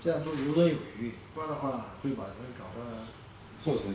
そうですね。